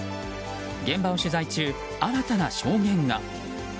現場を取材中、新たな証言が。